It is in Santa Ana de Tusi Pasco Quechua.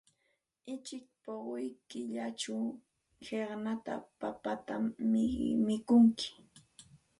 Uchik puquy killachaq qiqna papatam mikuntsik.